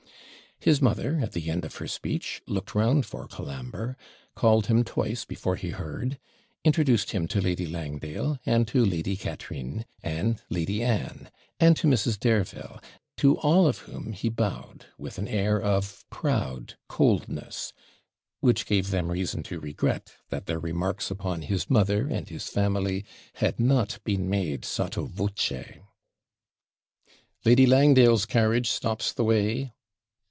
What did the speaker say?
His mother, at the end of her speech, looked round for Colambre called him twice before he heard introduced him to Lady Langdale, and to Lady Cat'rine, and Lady Anne , and to Mrs. Dareville; to all of whom he bowed with an air of proud coldness, which gave them reason to regret that their remarks upon his mother and his family had not been made SOTTO VOCE. 'Lady Langdale's carriage stops the way!'